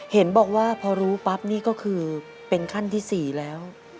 เห็นบอกว่าพอรู้ปั๊บนี่ก็คือเป็นขั้นที่๔แล้ว